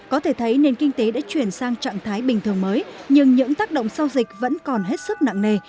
có thể thấy nền kinh tế đã chuyển sang trạng thái bình thường mới nhưng những tác động sau dịch vẫn còn hết sức nặng nề